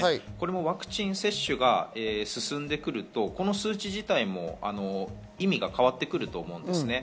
ワクチン接種が進んでくると、この数値自体も意味が変わってくると思うんですね。